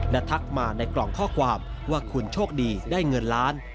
และทักมาในกล่องข้อความว่าคุณโชคดีได้เงินล้าน